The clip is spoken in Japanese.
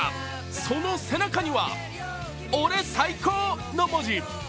その背中には俺、最高の文字。